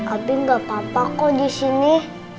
abi gak apa apa kok di sini